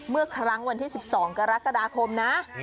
เมื่อครั้งวันที่๑๒กรกฎาคมนะ